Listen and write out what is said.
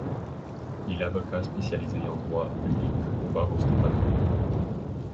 Il avocat spécialisé en droit public au barreau stéphanois.